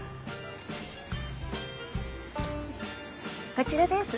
こちらです。